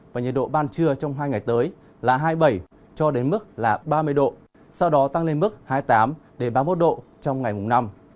và nhiệt độ ban trưa trong hai ngày tới là hai mươi bảy cho đến mức là ba mươi độ sau đó tăng lên mức hai mươi tám ba mươi một độ trong ngày mùng năm